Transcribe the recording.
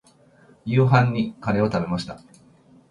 夕食にカレーを食べました。